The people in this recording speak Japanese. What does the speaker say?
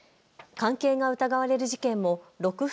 関係が疑われる事件も６府